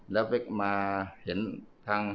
ตอนนี้ก็ไม่มีอัศวินทรีย์